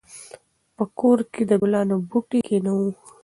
په کور کې د ګلانو بوټي کېنوو.